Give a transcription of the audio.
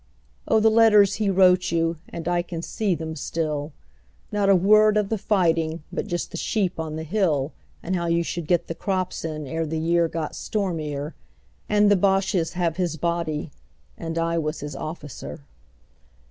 Oh, the letters he wrote you, And I can see them still. Not a word of the fighting But just the sheep on the hill And how you should get the crops in Ere the year got stormier, 40 And the Bosches have got his body. And I was his officer.